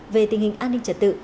về tình hình an ninh trật tự